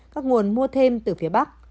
các nguồn mua thêm từ phía bắc